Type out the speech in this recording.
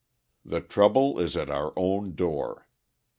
The trouble is at our own door.